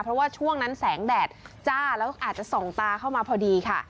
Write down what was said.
เพราะว่าช่วงนั้นแสงแดดจ้าแล้วอาจจะส่องตาเข้ามาพอดีค่ะ